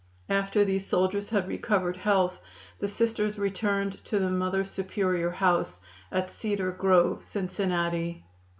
After these soldiers had recovered health the Sisters returned to the Mother Superior House at Cedar Grove, Cincinnati.